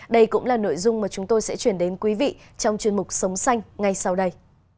đây cũng là nội dung mà chúng tôi sẽ chuyển đến quý vị trong chuyên mục sống xanh ngay sau đây